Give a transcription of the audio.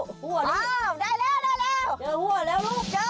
อ้าวได้แล้วเจอหัวแล้วลูกเจอหัวแล้ว